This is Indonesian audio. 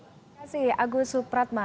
terima kasih agus supratma